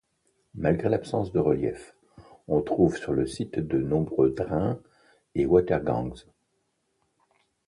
Malgré l'absence de relief, on trouve sur le site de nombreux drains et watergangs.